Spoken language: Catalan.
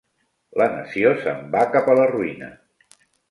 La nació se'n va cap a la ruïna.